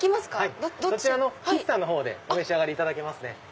そちらの喫茶のほうでお召し上がりいただけますね。